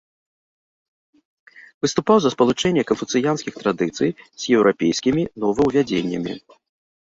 Выступаў за спалучэнне канфуцыянскіх традыцый з еўрапейскімі новаўвядзеннямі.